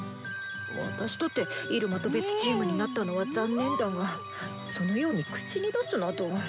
私だってイルマと別チームになったのは残念だがそのように口を出すなど。